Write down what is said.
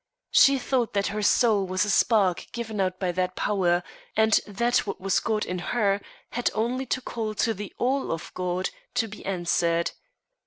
She thought that her soul was a spark given out by that Power, and that what was God in her had only to call to the All of God to be answered.